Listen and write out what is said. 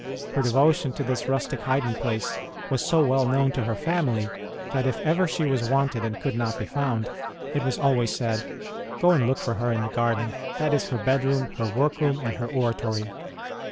Her devotion to this rustic hiding place was so well known to her family that if ever she was wanted and could not be found, it was always said : Go and look for her in the garden : that is her bedroom, her workroom, and her oratory.